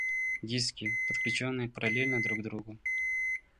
Диски, подключенные параллельно друг к другу